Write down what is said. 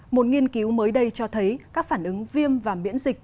một nghiên cứu mới đây cho thấy các phản ứng viêm và miễn dịch